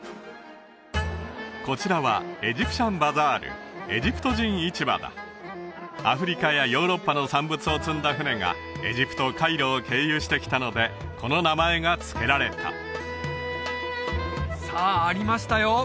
こちらはエジプト人市場だアフリカやヨーロッパの産物を積んだ船がエジプトカイロを経由してきたのでこの名前が付けられたさあありましたよ